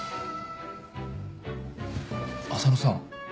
浅野さん。